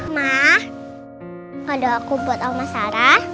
ma kode aku buat oma sarah